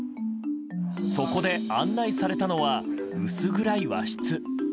そこで、案内されたのは薄暗い和室。